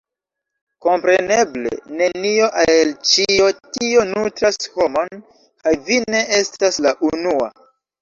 Kompreneble! Nenio el ĉio tio nutras homon, kaj vi ne estas la unua.